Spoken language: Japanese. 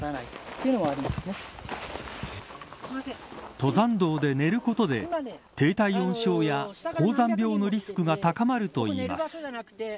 登山道で寝ることで低体温症や高山病のリスクが高まるといいます。